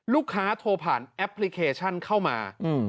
โทรผ่านแอปพลิเคชันเข้ามา